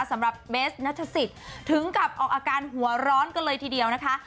สำหรับเบสนัทศิษย์ถึงกับออกอาการหัวร้อนกันเลยทีเดียวนะคะ